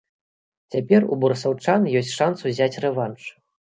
Цяпер у барысаўчан ёсць шанс узяць рэванш.